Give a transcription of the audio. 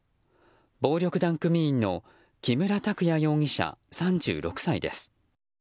暴力団組員の木村拓矢容疑者３６歳です。